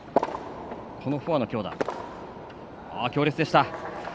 フォアの強打、強烈でした。